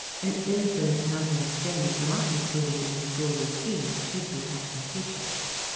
An infinite number of things not included in the school routine should be taught by teachers.